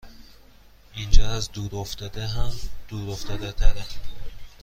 اینجااز دور افتاده هم دور افتاده تره